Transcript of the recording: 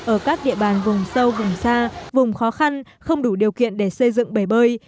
ở các địa bàn vùng sâu vùng xa vùng khó khăn không đủ điều kiện để xây dựng bể bơi